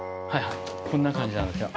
こんな感じなんですよ。